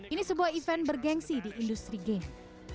ini sebuah event bergensi di industri game